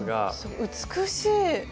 美しい！